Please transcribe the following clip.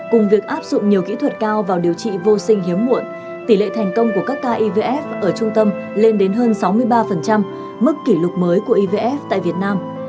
cùng việc áp dụng nhiều kỹ thuật cao vào điều trị vô sinh hiếm muộn tỷ lệ thành công của các ca ivf ở trung tâm lên đến hơn sáu mươi ba mức kỷ lục mới của ivf tại việt nam